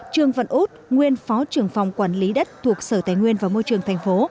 trương văn út nguyên phó trưởng phòng quản lý đất thuộc sở tài nguyên và môi trường tp